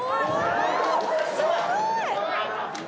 すごい！